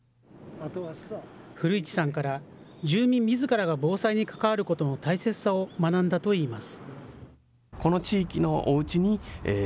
古市さんから、住民みずからが防災に関わることの大切さを学んだといいます。